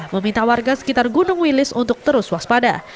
meminta warga sekitar gunung wilis untuk terus waspada